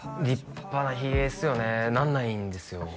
立派なヒゲっすよねなんないんですよ